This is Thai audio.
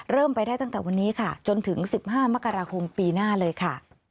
เริ่มไปได้ตั้งแต่วันนี้ค่ะจนถึง๑๕มกราคมปีหน้าเลยค่ะ